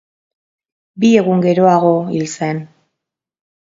Bi egun geroago hil zen.